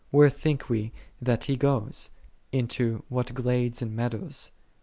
Where think we that He goeth? Into what glades and meadows?